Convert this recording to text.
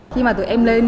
khi mà tụi em lên